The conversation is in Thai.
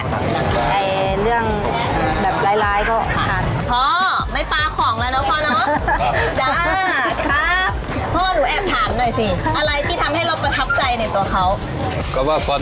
ในเรื่องแบบร้ายก็พัน